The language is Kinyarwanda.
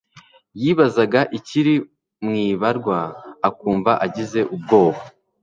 yibazaga ikiri mwibarwa akumva agize ubwoba